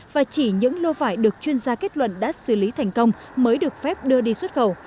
và chỉ những lô vải được chuyên gia kết luận đã xử lý thành công mới được phép đưa đi xuất khẩu